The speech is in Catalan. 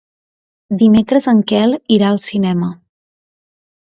Dimecres en Quel irà al cinema.